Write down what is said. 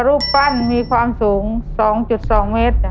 ตัวเลือดที่๔ตัวรูปปั้นมีความสูง๒๒เมตร